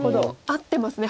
合ってますね